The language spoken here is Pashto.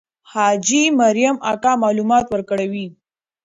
حاجي مریم اکا معلومات ورکړي وو.